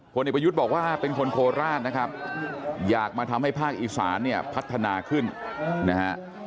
เอกประยุทธ์บอกว่าเป็นคนโคราชนะครับอยากมาทำให้ภาคอีสานเนี่ยพัฒนาขึ้นนะฮะ